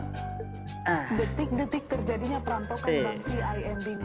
detik detik terjadinya perantauan